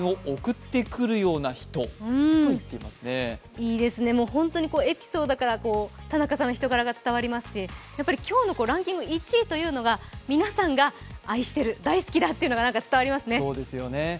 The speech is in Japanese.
いいですね、本当にエピソードから田中さんの人柄が伝わりますし今日のランキング１位というのが皆さんが愛してる、大好きだというのが伝わりますよね。